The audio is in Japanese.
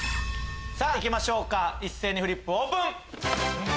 さぁいきましょうか一斉にフリップオープン！